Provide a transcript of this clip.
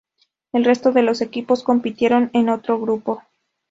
El resto de los equipos compitieron en otro grupo.